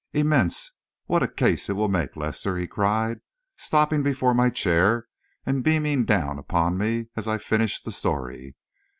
"Immense! What a case it will make, Lester!" he cried, stopping before my chair and beaming down upon me, as I finished the story.